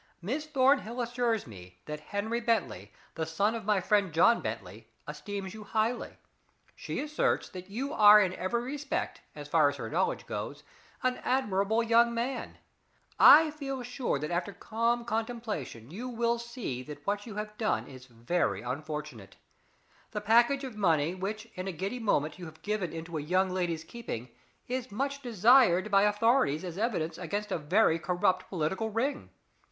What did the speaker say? Miss Thornhill assures me that Henry Bentley, the son of my friend John Bentley, esteems you highly. She asserts that you are in every respect, as far as her knowledge goes, an admirable young man. I feel sure that after calm contemplation you will see that what you have done is very unfortunate. The package of money which in a giddy moment you have given into a young lady's keeping is much desired by the authorities as evidence against a very corrupt political ring.